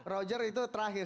roger itu terakhir